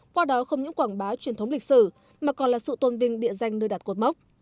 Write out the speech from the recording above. qua đó không những quảng bá truyền thống lịch sử mà còn là sự tôn vinh địa danh nơi đặt cột mốc